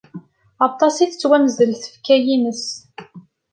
Aṭas i ttwameẓwel tfekka-innes.